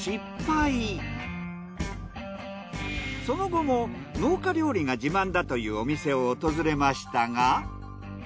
その後も農家料理が自慢だというお店を訪れましたが。